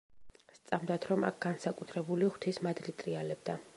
სწამდათ, რომ აქ განსაკუთრებული ღვთის მადლი ტრიალებდა.